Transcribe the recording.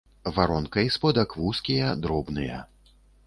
Варонка і сподак вузкія, дробныя.